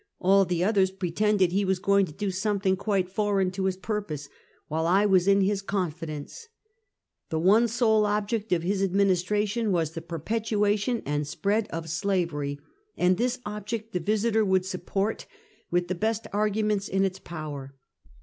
All the others pretended he was going to do something quite foreign to his purpose, while I was in liis confi dence. The one sole object of his administration was the perpetuation and spread of slavery, and this object the Visiter would support with the best arguments in its power.